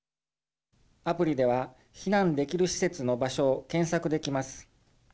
アプリでは避難できる施設の場所を検索できます。